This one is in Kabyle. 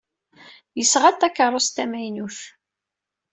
Yesɣa-d takeṛṛust tamaynut.